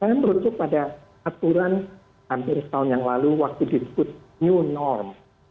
saya merujuk pada aturan hampir setahun yang lalu waktu disebut new normal